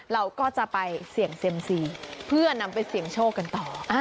เราก็จะไปเสี่ยงเซ็มซีเพื่อนำไปเสี่ยงโชคกันต่อ